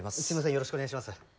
よろしくお願いします。